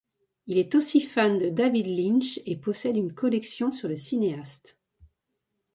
Il est aussi fan de David Lynch et possède une collection sur le cinéaste.